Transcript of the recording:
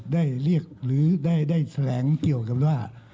ได้เรียกหรือได้แถลงเกี่ยวกันว่า